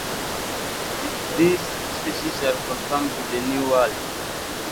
These species are confined to the New World.